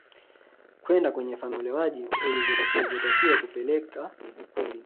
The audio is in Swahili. kwenda kwenye familia ya muolewaji ulivyotakiwa kupeleka ukweni